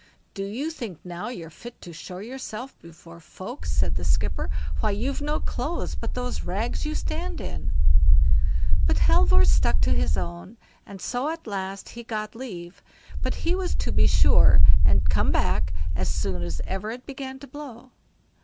"Do you think now you're fit to show yourself before folk", said the skipper, "why, you've no clothes but those rags you stand in?" But Halvor stuck to his own, and so at last he got leave, but he was to be sure and come back as soon as ever it began to blow.